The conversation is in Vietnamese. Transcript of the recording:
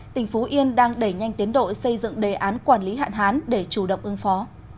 tỉnh phú yên đang đẩy nhanh tiến độ xây dựng đề án quản lý hạn hán để chủ động ứng phó